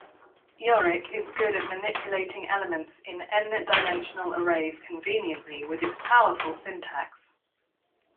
Yorick is good at manipulating elements in N-dimensional arrays conveniently with its powerful syntax.